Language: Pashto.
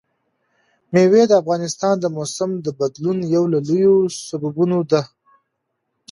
مېوې د افغانستان د موسم د بدلون یو له لویو سببونو ده.